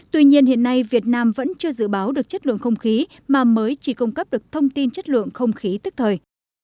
tuy nhiên hiện nay việt nam vẫn chưa dự báo được chất lượng không khí mà mới chỉ cung cấp được thông tin chất lượng không khí tức thời